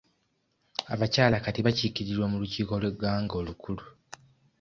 Abakyala kati bakiikirirwa mu lukiiko lw'eggwanga olukulu.